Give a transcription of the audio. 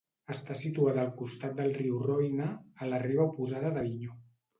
Està situada al costat del riu Roine, a la riba oposada d'Avinyó.